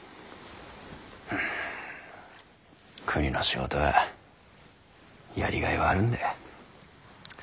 国の仕事はやりがいはあるんだ。